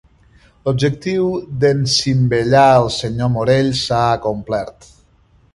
L'objectiu d'encimbellar el senyor Morell s'ha acomplert.